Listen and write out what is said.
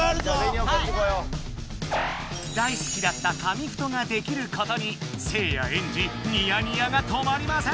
大好きだった紙フトができることにせいやエンジニヤニヤが止まりません！